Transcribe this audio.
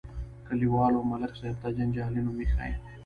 کلیوالو ملک صاحب ته جنجالي نوم ایښی.